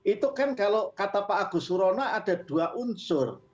itu kan kalau kata pak agus surono ada dua unsur